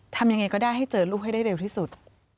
ทำยังไงก็ได้ให้เจอลูกให้ได้เร็วที่สุด